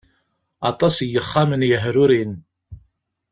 Aṭas n yexxamen yehrurin.